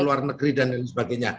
luar negeri dan sebagainya